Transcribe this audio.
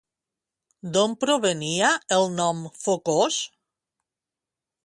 D'on provenia el nom Focos?